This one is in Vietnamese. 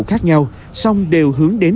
khác nhau song đều hướng đến